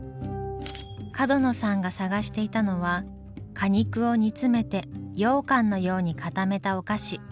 角野さんが探していたのは果肉を煮詰めてようかんのように固めたお菓子。